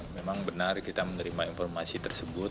memang benar kita menerima informasi tersebut